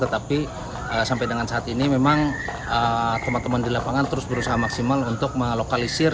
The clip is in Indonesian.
tetapi sampai dengan saat ini memang teman teman di lapangan terus berusaha maksimal untuk melokalisir